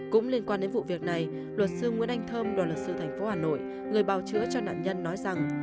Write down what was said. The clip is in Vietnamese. cũng liên quan đến vụ việc này luật sư nguyễn anh thơm đoàn luật sư thành phố hà nội người bào chữa cho nạn nhân nói rằng